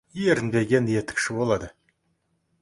Ерінбеген етікші болады.